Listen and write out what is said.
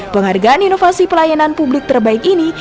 penghargaan inovasi pelayanan publik terbaik ini